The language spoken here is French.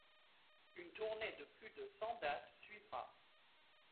Une tournée de plus de cent dates suivra.